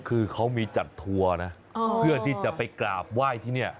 คือเขามีจัดทัวร์นะเพื่อที่จะไปกราบไหว้ที่นี่